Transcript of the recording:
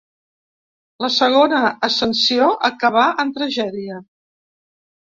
La segona ascensió acabà en tragèdia.